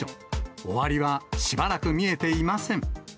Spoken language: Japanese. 終わりはしばらく見えていません。